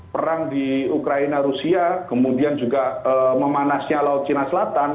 perang di ukraina rusia kemudian juga memanasnya laut cina selatan